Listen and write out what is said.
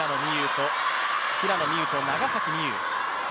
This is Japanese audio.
平野美宇と長崎美柚。